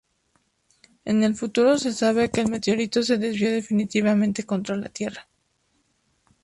En el futuro se sabe que el meteorito se desvió definitivamente contra la Tierra.